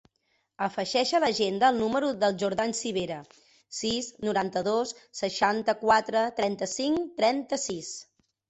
Afegeix a l'agenda el número del Jordan Civera: sis, noranta-dos, seixanta-quatre, trenta-cinc, trenta-sis.